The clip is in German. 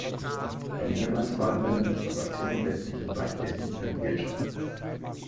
Eine ehemals vorhandene Restauration im westlichen Bereich wird nicht mehr bewirtschaftet.